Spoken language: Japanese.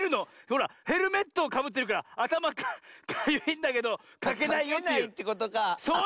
ほらヘルメットをかぶってるからあたまかゆいんだけどかけないよっていう。